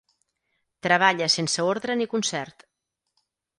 Treballa sense ordre ni concert.